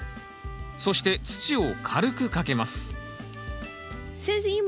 そして土を軽くかけます先生